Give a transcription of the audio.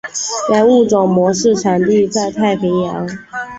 该物种的模式产地在太平洋。